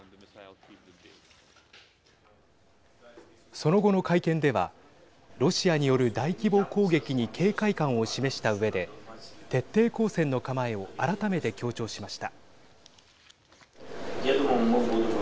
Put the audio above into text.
その後の会見ではロシアによる大規模攻撃に警戒感を示したうえで徹底抗戦の構えを改めて強調しました。